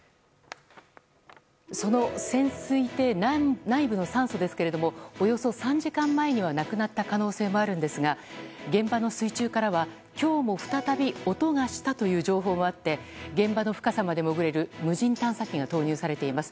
その潜水艇内部の酸素ですがおよそ３時間前にはなくなった可能性もあるんですが現場の水中からは今日も再び音がしたという情報もあって現場の深さまで潜れる無人探査機が投入されています。